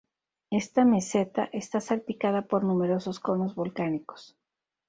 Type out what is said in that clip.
Esta meseta, está salpicada por numerosos conos volcánicos.